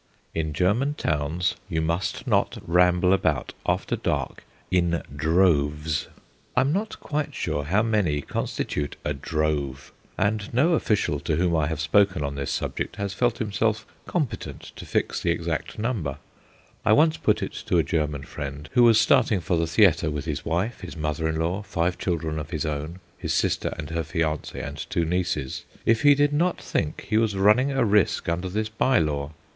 In German towns you must not ramble about after dark "in droves." I am not quite sure how many constitute a "drove," and no official to whom I have spoken on this subject has felt himself competent to fix the exact number. I once put it to a German friend who was starting for the theatre with his wife, his mother in law, five children of his own, his sister and her fiance, and two nieces, if he did not think he was running a risk under this by law.